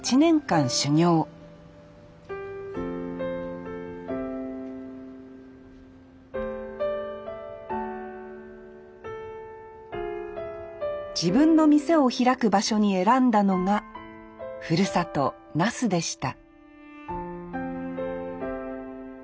修業自分の店を開く場所に選んだのがふるさと那須でした